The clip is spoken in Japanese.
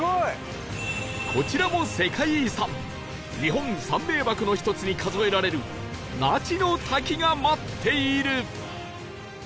こちらも世界遺産日本三名瀑の１つに数えられる那智の滝が待っている